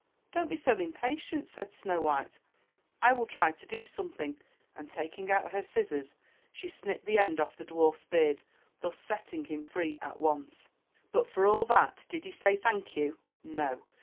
"Don't be so impatient," said Snow white. "I will try to do something else." And taking out her scissors, she snipped the end off the dwarf's beard, thus setting him free at once. But for all that did he say thank you? No